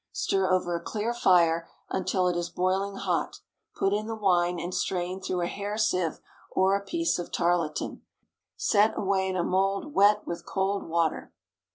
Stir over a clear fire until it is boiling hot; put in the wine and strain through a hair sieve or a piece of tarlatan. Set away in a mould wet with cold water.